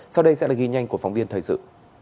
sau đây sẽ là ghi nhanh của phóng viên thời sự